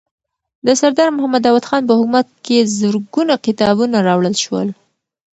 د سردار محمد داود خان په حکومت کې زرګونه کتابونه راوړل شول.